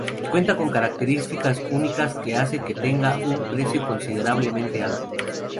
Cuenta con características únicas que hace que tenga un precio considerablemente alto.